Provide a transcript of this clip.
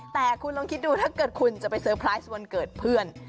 แต่คุณลองคิดดูถ้าเกิดคุณจะไปเซอร์ไพรส์วันเกิดเพื่อน